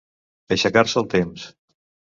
Aixecar-se el temps.